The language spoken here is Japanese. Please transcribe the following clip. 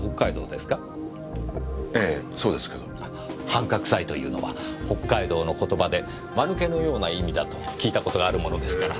「はんかくさい」というのは北海道の言葉でマヌケのような意味だと聞いた事があるものですから。